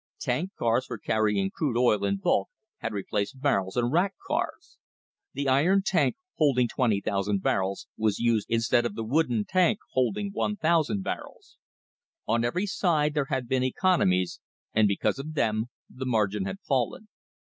Tank cars for carrying crude oil in bulk had replaced barrels and rack cars. The iron tank, holding 20,000 barrels, was used instead of the wooden tank holding 1,000 barrels. On every side there had been economies, and because of them the margin had fallen.